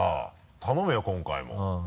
頼むよ今回も。